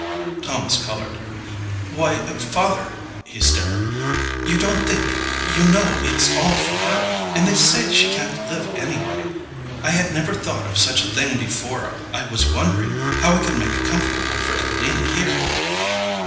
Thomas colored. "Why, father," he stammered, "you don't think you know, it's all for her and they say she can't live anyway. I had never thought of such a thing before. I was wondering how I could make it comfortable for Evelina here."